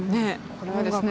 これはですね。